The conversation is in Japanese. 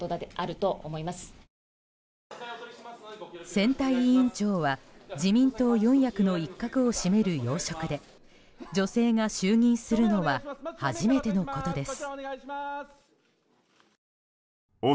選対委員長は自民党四役の一角を占める要職で女性が就任するのは初めてのことです。